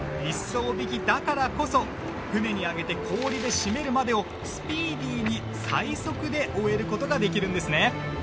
一艘曳きだからこそ船に揚げて氷で締めるまでをスピーディーに最速で終える事ができるんですね。